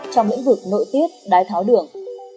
trong lĩnh vực nội tiết đái tháo đường